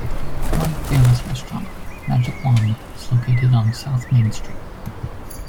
One famous restaurant, Magic Wand, is located on South Main Street.